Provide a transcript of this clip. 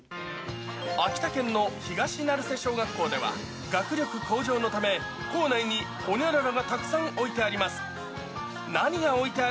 秋田県の東成瀬小学校では、学力向上のため、校内にホニャララがたくさん置いてあります。